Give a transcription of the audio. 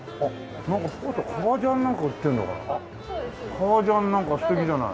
革ジャンなんか素敵じゃない。